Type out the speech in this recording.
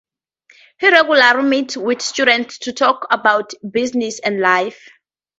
He regularly meets with students to talk about business and life.